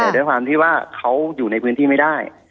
แต่ด้วยความที่ว่าเขาอยู่ในพื้นที่ไม่ได้